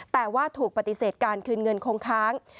แต่ว่าถูกปฏิเสธการคืนเงินคงค้าง